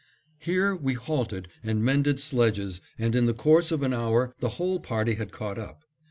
Here we halted and mended sledges and in the course of an hour the whole party had caught up.